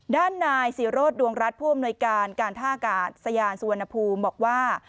ด้านนายศิโรธดวงรัฐผู้อำนวยการการท่ากาศยานสุวรรณภูมิบอกว่า